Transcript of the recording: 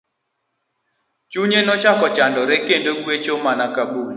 Chunye nochako chandore kendo gwecho mana ka bul.